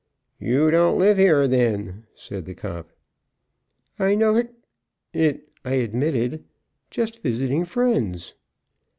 "You don't live here, then," said the cop. "I know (hic) it," I admitted. "Just visiting friends."